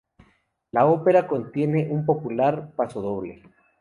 La ópera contiene un popular pasodoble.